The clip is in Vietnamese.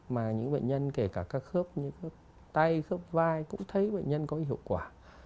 mà những bệnh nhân kể cả các khớp như khớp tay khớp vai cũng thấy bệnh nhân có hiệu quả